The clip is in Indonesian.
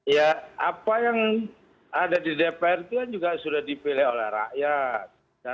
ya apa yang ada di dpr itu kan juga sudah dipilih oleh rakyat